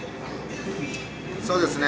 そうですね。